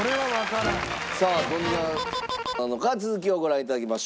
さあどんななのか続きをご覧いただきましょう。